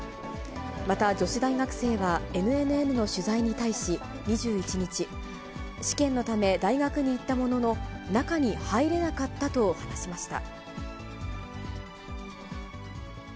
また女子大学生はＮＮＮの取材に対し２１日、試験のため大学に行ったものの、中に入れなかったと話しました。